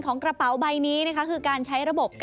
ของกระเป๋าใบนี้คือการใช้ระบบ